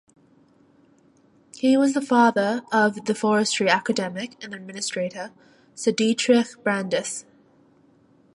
He was the father of the forestry academic and administrator Sir Dietrich Brandis.